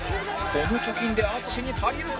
この貯金で淳に足りるか？